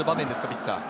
ピッチャーは。